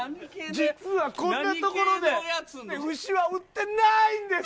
実はこんな所で牛は売ってないんです！